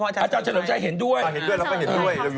อาจารย์เฉลิมชายเห็นด้วย